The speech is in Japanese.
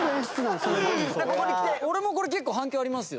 俺もこれ結構反響ありますよ。